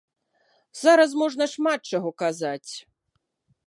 Зараз можна шмат чаго казаць.